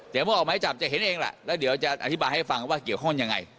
เดี๋ยวเมื่อออกไม้จับจะเห็นเองแหละแล้วเดี๋ยวจะอธิบายให้ฟังว่าเกี่ยวข้องยังไง